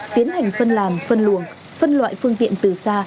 tiến hành phân làm phân luộng phân loại phương tiện từ xa